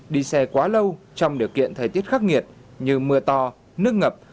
đi xe quá lâu trong điều kiện thời tiết khắc nghiệt như mưa to nước ngập